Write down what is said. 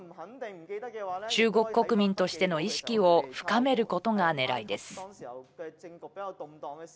中国国民としての意識を深めることがねらいです。